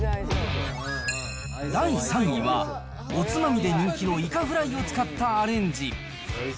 第３位は、おつまみで人気のイカフライを使ったアレンジ。